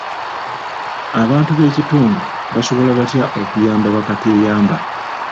Abantu b'ekitundu basobola batya okuyamba bakateeyamba?